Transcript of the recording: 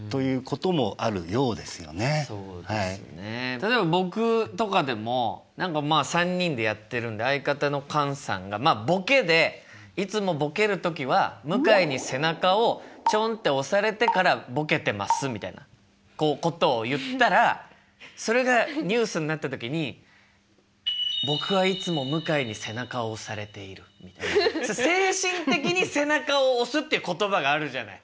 例えば僕とかでも何かまあ３人でやってるんで相方の菅さんがまあボケでいつもボケる時は向井に背中をチョンって押されてからボケてますみたいなことを言ったらそれがニュースになった時に精神的に背中を押すっていう言葉があるじゃない。